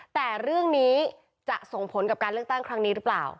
แต่เรื่องนี้จะส่งผลกับการเลือกตั้งครั้งนี้หรือเปล่า